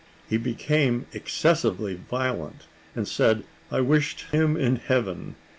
He became excessively violent, and said I wished him in heaven.